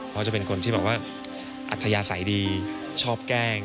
เขาจะเป็นคนที่แบบว่าอัธยาศัยดีชอบแกล้ง